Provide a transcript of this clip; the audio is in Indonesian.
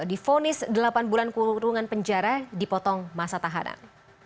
difonis delapan bulan kurungan penjara dipotong masa tahanan